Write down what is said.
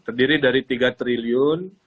terdiri dari tiga triliun